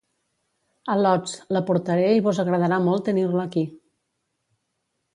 Al·lots, la portaré, i vos agradarà molt tenir-la aquí.